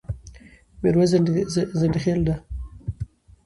ميرويس ځنډيخيل ډه